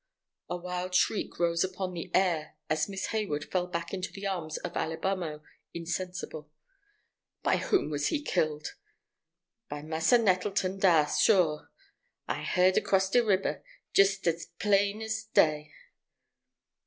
A wild shriek rose upon the air as Miss Hayward fell back into the arms of Alibamo, insensible. "By whom was he killed?" "By massa Nettleton dar, sure. I he'rd across de riber, jis as plain as day."